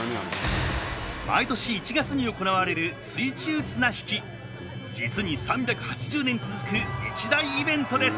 毎年１月に行われる実に３８０年続く一大イベントです。